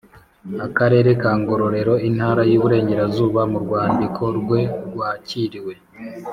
Akarere ka Ngororero Intara y Iburengerazuba mu rwandiko rwe rwakiriw